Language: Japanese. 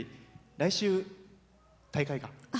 来週、大会か。